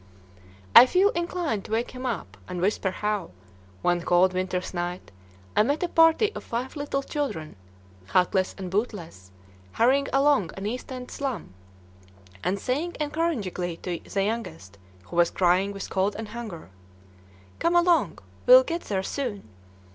I feel inclined to wake him up, and whisper how, one cold winter's night, I met a party of five little children, hatless and bootless, hurrying along an East end slum, and saying encouragingly to the youngest, who was crying with cold and hunger, 'Come along: we'll get there soon.'